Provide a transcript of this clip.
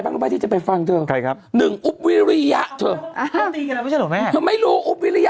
รู้ไหมที่จะไปฟังเธอใครครับหนึ่งอุ๊บวิริยะเธอไม่รู้อุ๊บวิริยะ